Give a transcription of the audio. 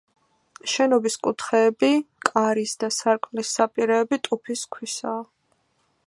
შენობის კუთხეები, კარის და სარკმლის საპირეები ტუფის ქვისაა.